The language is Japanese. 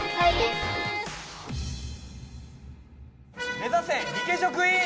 目指せリケジョ・クイーン！